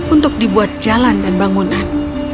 untuk dibuat jalan dan bangunan